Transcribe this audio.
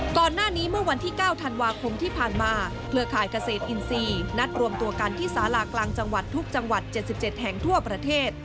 ก่อนหน้านี้เมื่อวันที่๙ธันวาคมที่ผ่านมาเครือข่ายเกษตรอินทรีย์นัดรวมตัวกันที่สารากลางจังหวัดทุกจังหวัด๗๗แห่งทั่วประเทศ